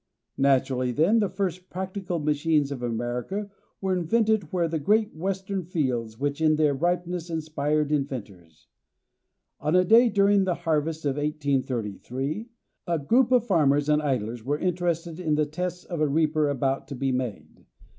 Naturally, then, the first practical machines of America were invented where the great Western fields, which, in their ripeness, inspired inventors. On a day, during the harvest of 1833, a group of farmers and idlers were interested in the tests of a reaper about to be made.